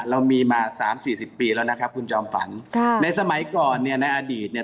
เรามีมาสามสี่สิบปีแล้วนะครับคุณจอมฝันค่ะในสมัยก่อนเนี่ยในอดีตเนี่ย